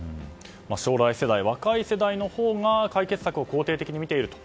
将来世代、若い世代のほうが解決策を肯定的にみていると。